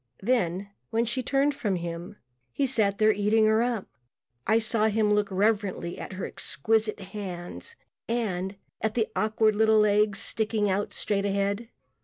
Then when she turned from him he sat there eating her up. I saw him look reverently at her exquisite hands and at the awkward little legs sticking out straight ahead.